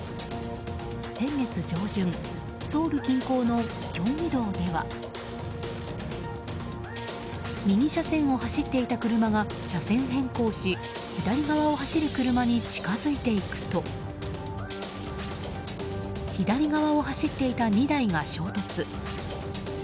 先月上旬ソウル近郊のキョンギ道では右車線を走っていた車が車線変更し左側を走る車に近づいていくと左側を走っていた２台が衝突。